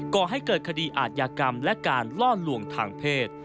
ก่อให้เกิดคดีอาทยากรรมและการล่อลวงทางเพศ